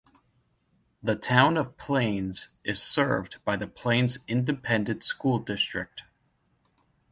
The Town of Plains is served by the Plains Independent School District.